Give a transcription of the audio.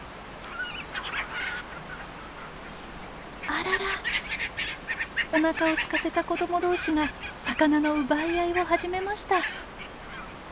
あららおなかをすかせた子ども同士が魚の奪い合いを始めました。